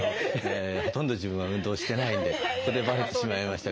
ほとんど自分は運動してないんでここでバレてしまいましたけどね。